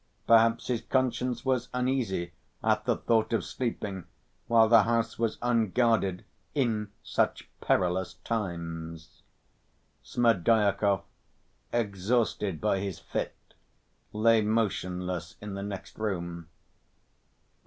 Perhaps his conscience was uneasy at the thought of sleeping while the house was unguarded "in such perilous times." Smerdyakov, exhausted by his fit, lay motionless in the next room.